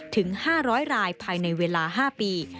ถึง๕๐๐รายภายในเวลา๕ปี